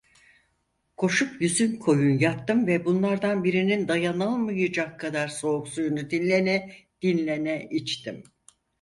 Koşup yüzükoyun yattım ve bunlardan birinin dayanılmayacak kadar soğuk suyunu dinlene dinlene içtim.